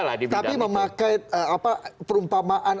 tapi memakai perumpamaan